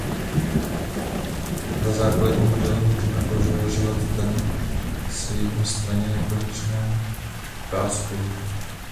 Za základní model můžeme považovat ten s jednostranně nekonečnou páskou.